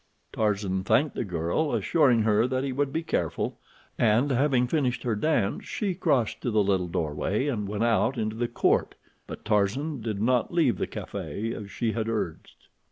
Tarzan thanked the girl, assuring her that he would be careful, and, having finished her dance, she crossed to the little doorway and went out into the court. But Tarzan did not leave the café as she had urged.